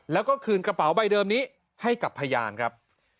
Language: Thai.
แล้วก็คืนกระเป๋าใบเดิมนี้ให้กับพยานครับ